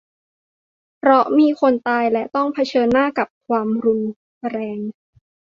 เพราะมีคนตาย และ ต้องเผชิญกับความรุนแรง